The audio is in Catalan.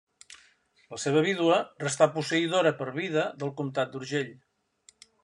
La seva vídua restà posseïdora, per vida, del comtat d'Urgell.